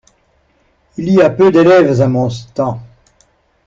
Il y a peu d'élèves à mon stand.